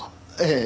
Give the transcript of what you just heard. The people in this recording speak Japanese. ええ。